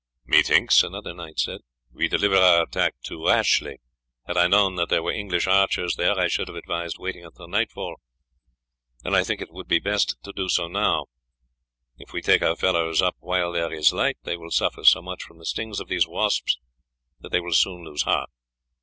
"Methinks," another knight said, "we delivered our attack too rashly. Had I known that there were English archers there I should have advised waiting until nightfall, and I think that it would be best to do so now. If we take our fellows up while there is light they will suffer so much from the stings of these wasps that they will soon lose heart.